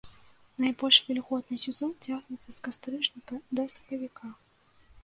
Найбольш вільготны сезон цягнецца з кастрычніка да сакавіка.